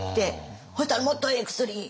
そしたらもっとええ薬。